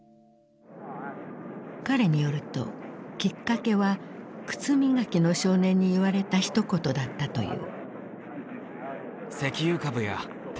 彼によるときっかけは靴磨きの少年に言われたひと言だったという。